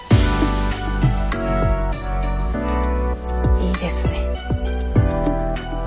いいですね。